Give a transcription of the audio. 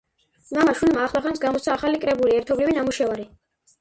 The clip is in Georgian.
მამა-შვილიმა ახლახანს გამოსცა ახალი კრებული, ერთობლივი ნამუშევარი.